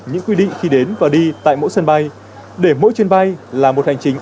những quy định khi đến và đi tại mỗi sân bay để mỗi chuyến bay là một hành chính